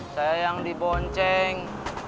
saya yang dibonceng